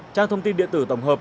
trang thông tin điện tử tổng hợp